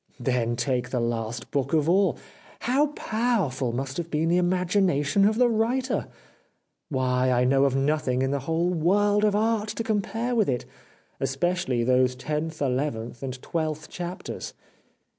Then take the last book of all. How powerful must have been the imagination of the writer ! Why, I know of nothing in the whole world of Art to compare with it, especially those tenth, eleventh and twelfth chapters.